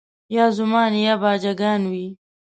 یا زومان یا باجه ګان وي